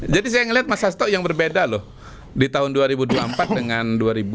jadi saya melihat mas hasto yang berbeda loh di tahun dua ribu dua puluh empat dengan dua ribu sembilan belas dua ribu empat belas